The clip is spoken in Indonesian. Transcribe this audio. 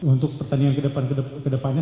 untuk pertandingan ke depannya